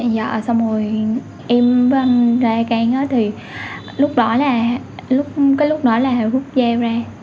giờ xong rồi em với anh ra càng thì lúc đó là hẹo rút dao ra